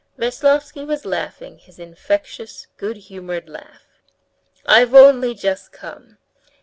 Veslovsky was laughing his infectious, good humored laugh. "I've only just come.